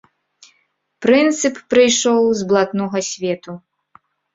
Прынцып прыйшоў з блатнога свету.